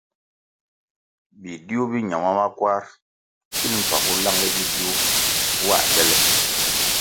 Bidiu bi ñama makwar pilʼ mpagu langʼle bidiu nwā bele.